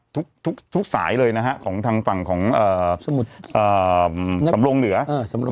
ทุกทุกทุกสายเลยนะฮะของทางฝั่งของเอ่อสมุทรเอ่อสำรงเหนือเอ่อ